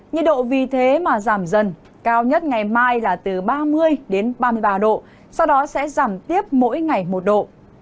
nhiệt độ vì thế mà giảm dần cao nhất ngày mai là từ ba mươi đến ba mươi ba độ sau đó sẽ giảm tiếp mỗi ngày một độ